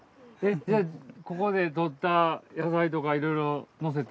ここで採った野菜とかいろいろのせて？